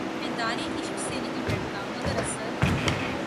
بیدادِ عشق سے نہیں ڈرتا، مگر اسد!